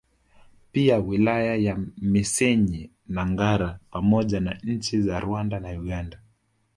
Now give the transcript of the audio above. Pia wilaya za Misenyi na Ngara pamoja na nchi za Rwanda na Uganda